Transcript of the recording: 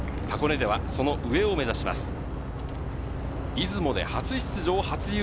箱根ではその上を目指します。